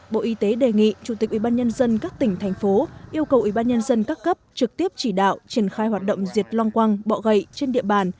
bộ y tế đề nghị chủ tịch ubnd các tỉnh thành phố yêu cầu ubnd các cấp trực tiếp chỉ đạo triển khai hoạt động diệt long quăng bọ gậy trên địa bàn